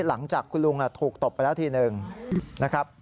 หลังจากคุณลุงถูกตบไปแล้วทีหนึ่งนะครับ